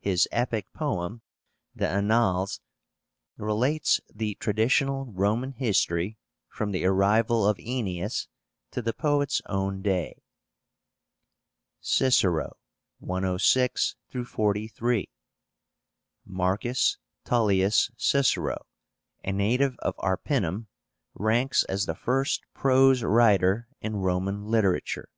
His epic poem, the Annàles, relates the traditional Roman history, from the arrival of Aenéas to the poet's own day. CICERO (106 43). MARCUS TULLIUS CICERO, a native of Arpínum, ranks as the first prose writer in Roman literature.